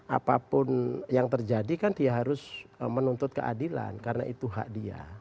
apapun yang terjadi kan dia harus menuntut keadilan karena itu hak dia